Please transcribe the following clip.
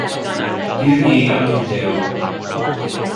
기억이 없는데요."